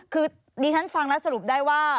คือดิฉันฟังแล้วสรุปได้ว่า